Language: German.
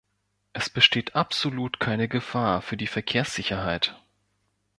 Es besteht absolut keine Gefahr für die Verkehrssicherheit.